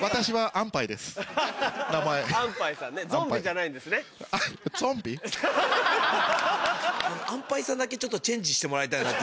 アンパイさんだけちょっとチェンジしてもらいたいなって。